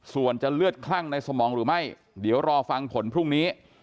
ส่วนจะเลือดคลั่งในสมองหรือไม่เดี๋ยวรอฟังผลพรุ่งนี้